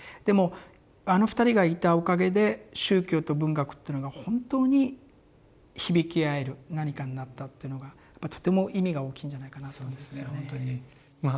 でもあの２人がいたおかげで宗教と文学っていうのが本当に響き合える何かになったっていうのがとても意味が大きいんじゃないかなと思うんですよね。